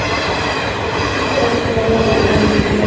licha ya nchi ya rwanda kuwa nchi ndogo